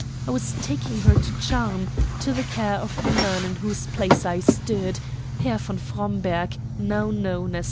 I was taking her to Charmes, to the care of the man in whose place I stood, Herr von Fromberg, now known as M.